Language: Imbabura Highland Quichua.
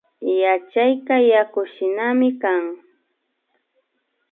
Yachayka yakushinami kan